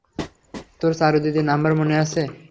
তোর চারু দিদির নাম্বার মনে আছে?